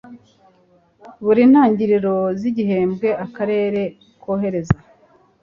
Buri ntangiriro z igihembwe Akarere koherereza